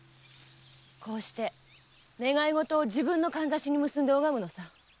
こうして願いごとを自分のかんざしに結んで拝むのさ。